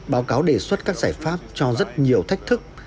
báo cáo đề xuất các giải pháp cho rất nhiều thách thức